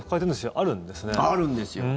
あるんですよ。